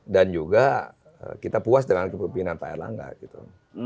dan juga kita puas dengan kepimpinan pak erlangga gitu